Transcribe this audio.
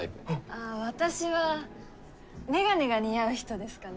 ああ私は眼鏡が似合う人ですかね。